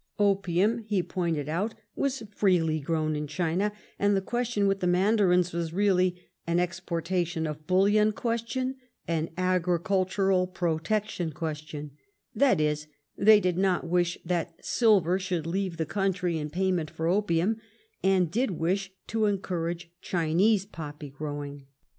Opium^ he pointed out, was freely gr9wn in China, and the ques tion with the Mandarins was really ^'an exportation of bullion question, an agiicfiltural protection question "; that is, they did not wish that silver should leave the country inpayment for opium, and did wish to encourage Chinese poppy growing.